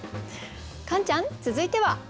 カンちゃん続いては。